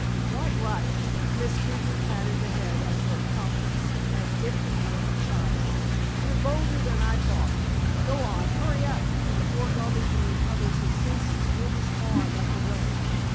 "Quite right." Miss Greeby patted the head of her accomplice as if he were a child, "You're bolder than I thought. Go on; hurry up! Before Garvington recovers his senses we'll be far enough away.